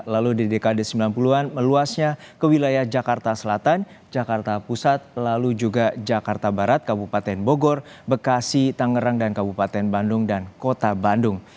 lalu di dekade sembilan puluh an meluasnya ke wilayah jakarta selatan jakarta pusat lalu juga jakarta barat kabupaten bogor bekasi tangerang dan kabupaten bandung dan kota bandung